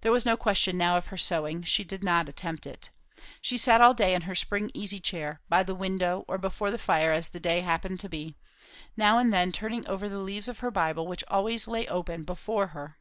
There was no question now of her sewing; she did not attempt it. She sat all day in her spring easy chair, by the window or before the fire as the day happened to be, now and then turning over the leaves of her Bible which always lay open before her.